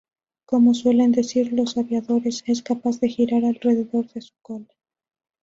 Como suelen decir los aviadores, "es capaz de girar alrededor de su cola".